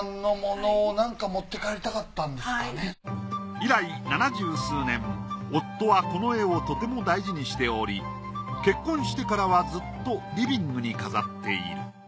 以来７０数年夫はこの絵をとても大事にしており結婚してからはずっとリビングに飾っている。